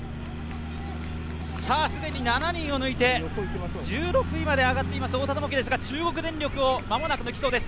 既に７人を抜いて１６位まで上っています太田智樹ですが、中国電力を間もなく抜きそうです。